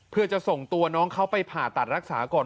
เพื่อจะส่งตัวน้องเขาไปผ่าตัดรักษาก่อน